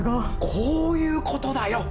こういうことだよ！